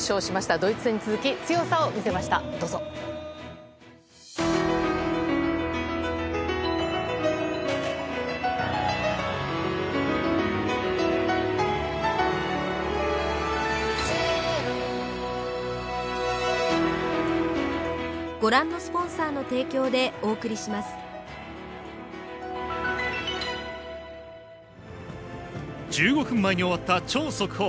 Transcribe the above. ドイツ戦に続き、強さを見せまし１５分前に終わった超速報。